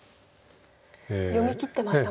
読みきってましたもんね